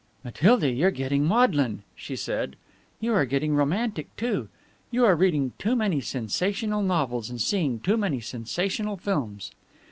"Matilda, you're getting maudlin," she said, "you are getting romantic, too. You are reading too many sensational novels and seeing too many sensational films."